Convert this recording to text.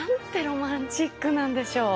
ロマンチックなんでしょう。